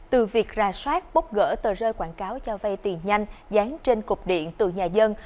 từ việc ra soát bóc gỡ tờ rơi quảng cáo cho vay tiền nhanh dán trên cục điện từ nhà dân